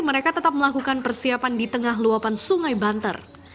mereka tetap melakukan persiapan di tengah luapan sungai banter